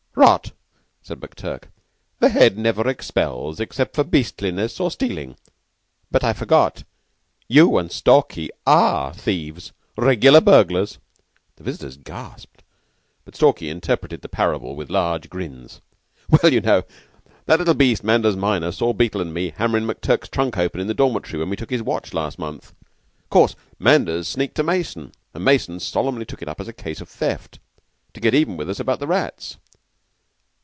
"Rot!" said McTurk. "The Head never expels except for beastliness or stealing. But I forgot; you and Stalky are thieves regular burglars." The visitors gasped, but Stalky interpreted the parable with large grins. "Well, you know, that little beast Manders minor saw Beetle and me hammerin' McTurk's trunk open in the dormitory when we took his watch last month. Of course Manders sneaked to Mason, and Mason solemnly took it up as a case of theft, to get even with us about the rats."